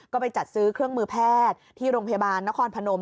ก็ไปจัดซื้อเครื่องมือแพทย์ที่โรงพยาบาลนครพนม